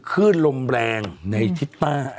คืนลมแรงในที่ใต้